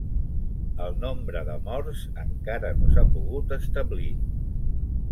El nombre de morts encara no s'ha pogut establir.